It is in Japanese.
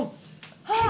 あっ！